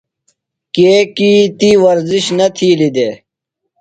کیکیۡ تی ورزش نہ تِھیلیۡ دےۡ۔